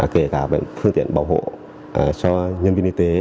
kể cả phương tiện bảo hộ cho nhân viên y tế